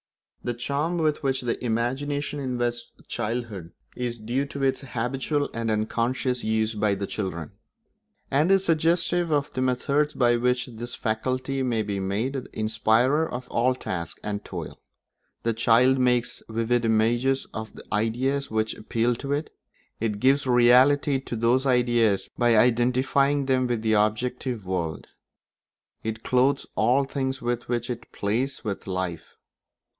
The charm with which the imagination invests childhood is due to its habitual and unconscious use by children, and is suggestive of the methods by which this faculty may be made the inspirer of all tasks and toil. The child makes vivid images of the ideas which appeal to it; it gives reality to those ideas by identifying them with the objective world; it clothes all things with which it plays with life.